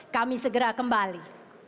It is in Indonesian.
kami segera kembali